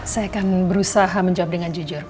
saya akan berusaha menjawab dengan jujur